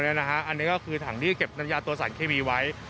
อันนี้ก็คือถังที่เก็บน้ำยาตัวสารเคมีไว้